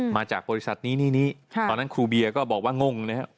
มาจากบริษัทนี้นี่ตอนนั้นครูเบียก็บอกว่างงนะครับ